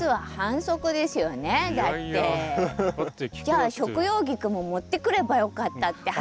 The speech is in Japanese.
じゃあ食用菊も持ってくればよかったって話？